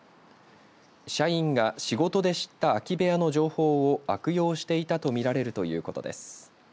社員が仕事で知った空き部屋の情報を悪用していたとみられるということです。